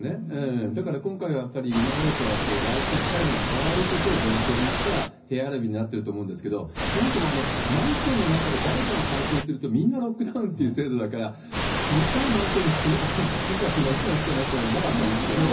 だから今回、やっぱり、今までとはライフスタイルが変わることを前提にした部屋選びになってると思うんですけど、そもそも、マンションの中で誰かが感染すると、みんなロックダウンって制度だから、小さいマンションに住んだほうがいいんじゃないかなと思うんですけどね。